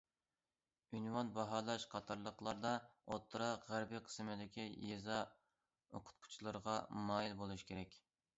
ئۇنۋان باھالاش قاتارلىقلاردا ئوتتۇرا، غەربىي قىسىمدىكى يېزا ئوقۇتقۇچىلىرىغا مايىل بولۇش كېرەك.